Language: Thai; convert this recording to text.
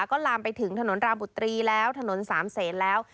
ก็ลามไปถึงถนนราบุตรีแล้วถนนสามเศษแล้ว